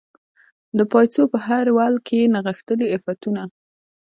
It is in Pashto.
د پایڅو په هر یو ول کې یې نغښتلي عفتونه